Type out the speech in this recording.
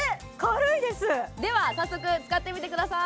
では早速使ってみてください